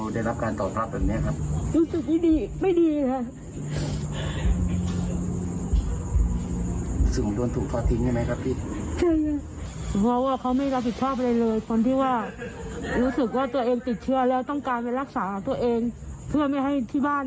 ดูแลคนมากกว่านี้ประชาชนมากกว่านี้คะ